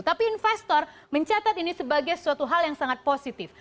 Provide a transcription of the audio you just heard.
tapi investor mencatat ini sebagai suatu hal yang sangat positif